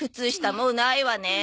もうないわね。